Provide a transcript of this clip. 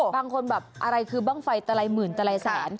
บางคนแบบอะไรคือบ้างไฟตลายหมื่นตลายแสน